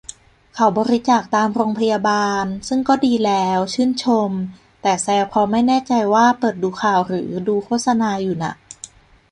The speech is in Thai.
เขาบริจาคตามโรงพยาบาล ซึ่งก็ดีแล้ว ชื่นชม แต่แซวเพราะไม่แน่ใจว่าเปิดดูข่าวหรือดูโฆษณาอยู่น่ะ